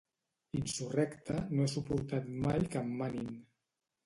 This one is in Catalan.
Insurrecte no he suportat mai que em manin